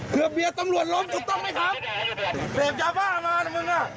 เกือบเบียดตำลวดล้มถูกต้องไหมครับเจ็บจาบ้ามานะมึงน่ะ